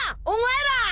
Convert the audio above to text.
お前ら！